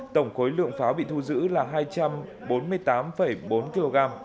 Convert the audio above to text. tổng khối lượng pháo bị thu giữ là hai trăm bốn mươi tám bốn kg